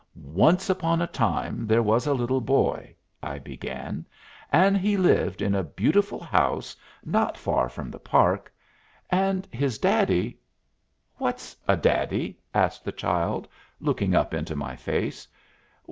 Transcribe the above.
"Once upon a time there was a little boy," I began, "and he lived in a beautiful house not far from the Park, and his daddy " "What's a daddy?" asked the child, looking up into my face.